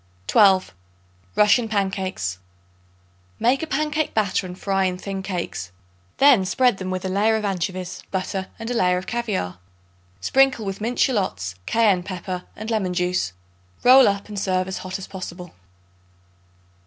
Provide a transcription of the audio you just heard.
12. Russian Pancakes. Make a pancake batter and fry in thin cakes. Then spread them with a layer of anchovies, butter and a layer of caviare. Sprinkle with minced shallots, cayenne pepper and lemon juice. Roll up and serve hot as possible.